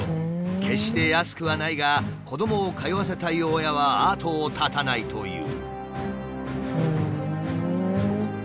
決して安くはないが子どもを通わせたい親は後を絶たないという。